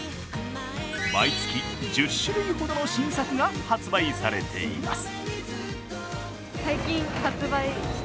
毎月１０種類ほどの新作が発売されています。